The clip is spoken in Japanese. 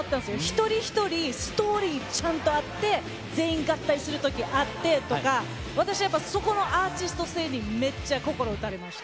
一人一人、ストーリーちゃんとあって、全員合体するときあってとか、私はやっぱそこのアーチスト性にめっちゃ心打たれました。